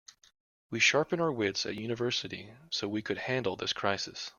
We sharpened our wits at university so we could handle this crisis.